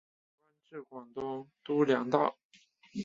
官至广东督粮道。